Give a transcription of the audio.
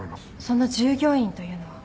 その従業員というのは？